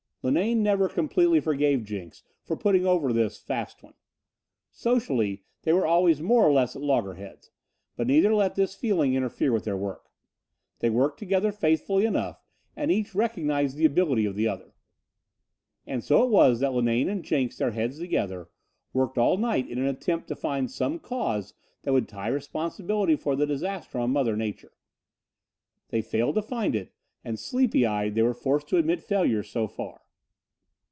Linane never completely forgave Jenks for putting over this "fast one." Socially they were always more or less at loggerheads, but neither let this feeling interfere with their work. They worked together faithfully enough and each recognized the ability of the other. And so it was that Linane and Jenks, their heads together, worked all night in an attempt to find some cause that would tie responsibility for the disaster on mother nature. They failed to find it and, sleepy eyed, they were forced to admit failure, so far.